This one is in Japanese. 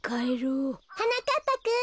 はなかっぱくん。